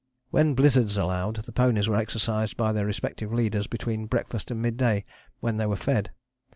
When blizzards allowed, the ponies were exercised by their respective leaders between breakfast and mid day, when they were fed.